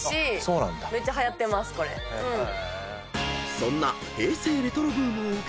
［そんな平成レトロブームを受け